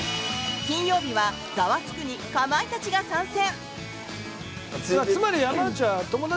金曜日は「ザワつく！」にかまいたちが参戦！